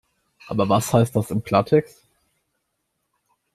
Aber was heißt das im Klartext?